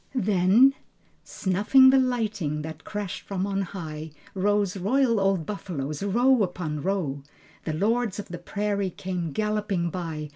Then ... Snuffing the lightning that crashed from on high Rose royal old buffaloes, row upon row. The lords of the prairie came galloping by.